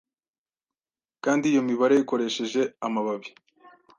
Kandi iyo mibare ikoresheje amababi